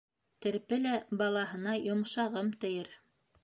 Терпе лә балаһына «йомшағым» тиер.